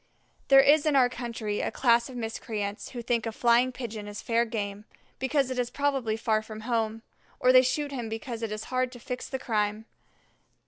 There is in our country a class of miscreants who think a flying Pigeon is fair game, because it is probably far from home, or they shoot him because it is hard to fix the crime.